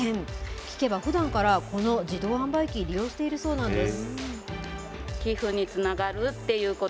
聞けばふだんからこの自動販売機、利用しているそうなんです。